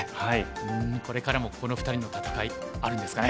うんこれからもこの２人の戦いあるんですかね。